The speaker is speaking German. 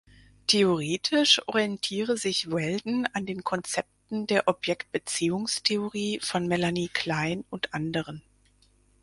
Theoretisch orientiere sich Welldon an den Konzepten der Objektbeziehungstheorie von Melanie Klein und anderen.